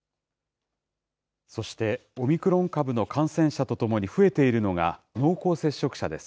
そしてオミクロン株の感染者とともに増えているのが濃厚接触者です。